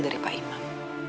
dari pak imam